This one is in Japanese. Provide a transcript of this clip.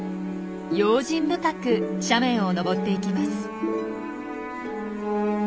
用心深く斜面を登っていきます。